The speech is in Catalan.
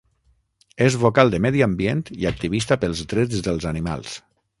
És vocal de medi ambient i activista pels drets dels animals.